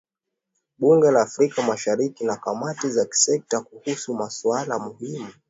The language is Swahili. Bunge la Afrika Mashariki na kamati za kisekta kuhusu masuala muhimu